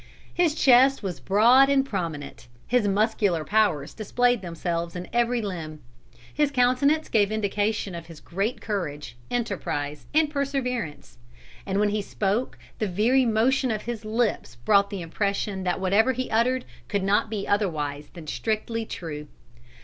His chest was broad and prominent, his muscular powers displayed themselves in every limb; his countenance gave indication of his great courage, enterprise and perseverance; and when he spoke the very motion of his lips brought the impression that whatever he uttered could not be otherwise than strictly true.